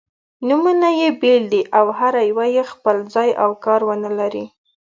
نومونه يې بېل دي او هره یوه یې خپل ځای او کار-ونه لري.